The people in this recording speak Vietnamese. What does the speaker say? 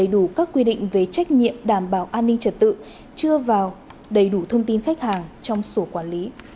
đầy đủ các quy định về trách nhiệm đảm bảo an ninh trật tự chưa vào đầy đủ thông tin khách hàng trong sổ quản lý